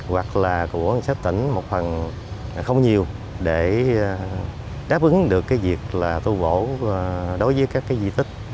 hoặc là của ngân sách tỉnh một phần không nhiều để đáp ứng được cái việc là tu bổ đối với các cái di tích